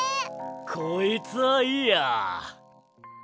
こいつはいいや。